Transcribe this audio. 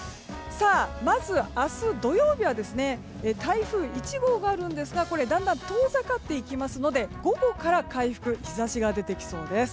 まず、明日土曜日は台風１号があるんですがだんだん遠ざかっていきますので午後から回復日差しが出てきそうです。